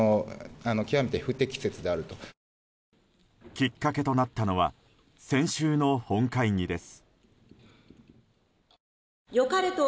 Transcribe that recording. きっかけとなったのは先週の本会議です。